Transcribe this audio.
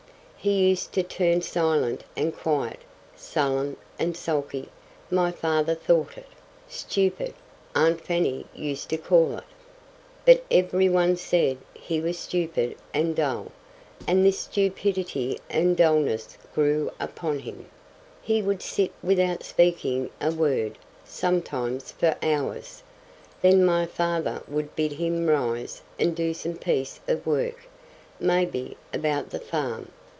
He used to turn silent and quiet—sullen and sulky, my father thought it: stupid, aunt Fanny used to call it. But every one said he was stupid and dull, and this stupidity and dullness grew upon him. He would sit without speaking a word, sometimes, for hours; then my father would bid him rise and do some piece of work, maybe, about the farm.